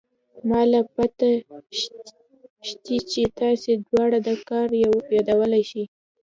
ما له پته شتې چې تاسې دواړه دا كار يادولې شې.